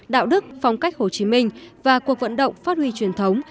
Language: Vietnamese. đạo đức phong cách hồ chí minh và cuộc vận động phát huy truyền thống